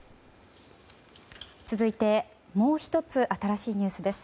続いて、もう１つ新しいニュースです。